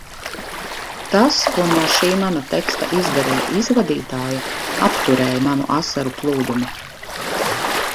Tas, ko no šī mana teksta izdarīja izvadītāja, apturēja manu asaru plūdumu.